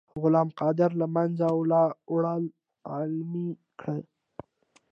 غلام قادر له منځه وړل عملي کړئ.